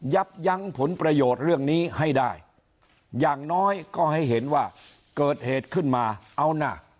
ยับยั้งผลประโยชน์เรื่องนี้ให้ได้อย่างน้อยก็ให้เห็นว่าเกิดเหตุขึ้นมาเอานะ